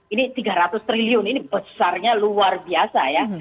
ini tiga ratus triliun ini besarnya luar biasa ya